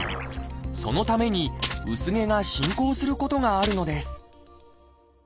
そのために薄毛が進行することがあるのです。